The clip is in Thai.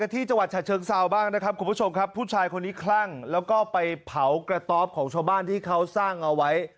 ที่จังหวัดฉะเชิงเซาบ้างนะครับคุณผู้ชมครับผู้ชายคนนี้คลั่งแล้วก็ไปเผากระต๊อบของชาวบ้านที่เขาสร้างเอาไว้